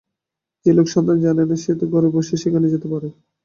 যে লোক সন্ধান জানে সে তো ঘরে বসেই সেখানে যেতে পারে।